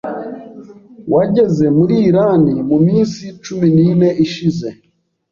wageze muri Iran mu minsi cumi nine ishize